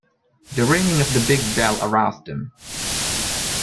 The ringing of the big bell aroused him.